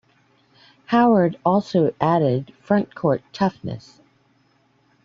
Howard also added frontcourt toughness.